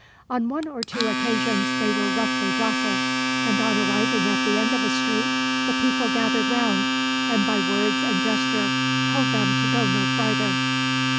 On one or two occasions they were roughly jostled, and on arriving at the end of a street the people gathered round, and by words and gesture told them to go no farther.